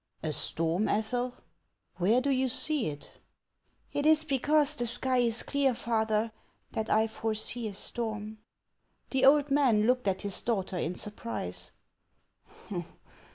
" A storm, Ethel ! Where do you see it ?"" Tt is because the sky is clear, father, that I foresee a storm." The old man looked at his daughter in surprise.